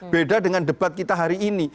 beda dengan debat kita hari ini